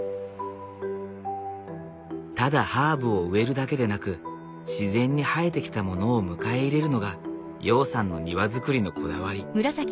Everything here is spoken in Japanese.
ただハーブを植えるだけでなく自然に生えてきたものを迎え入れるのが陽さんの庭造りのこだわり。